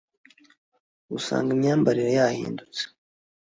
usanga imyambarire yahindutse